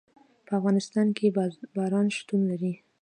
په افغانستان کې باران شتون لري.